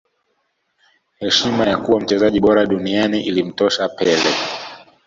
heshima ya kuwa mchezaji bora duniani ilimtosha pele